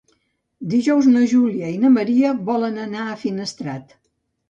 Dijous na Júlia i na Maria volen anar a Finestrat.